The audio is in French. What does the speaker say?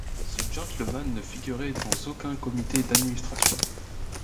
Ce gentleman ne figurait dans aucun comité d’administration.